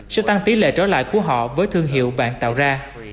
sẽ tăng tỷ lệ trở lại của họ với thương hiệu bạn tạo ra